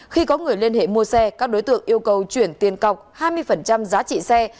khi có người liên hệ mua xe các đối tượng yêu cầu chuyển tiền cọc hai mươi giá trị xe